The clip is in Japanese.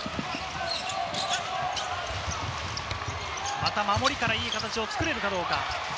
また、守りからいい形を作れるかどうか。